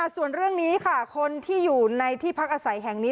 ส่วนเรื่องนี้ค่ะคนที่อยู่ในที่พักอาศัยแห่งนี้